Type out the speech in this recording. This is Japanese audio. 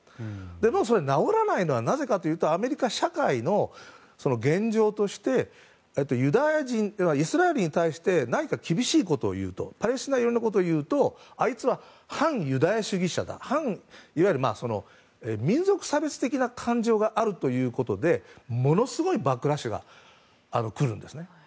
でも、直らないのはなぜかというとアメリカ社会の現状としてイスラエルに対して何か厳しいことを言うパレスチナ寄りのことを言うとあいつは反ユダヤ主義者だいわゆる民族差別的な感情があるということでものすごいバックラッシュが来るんですね。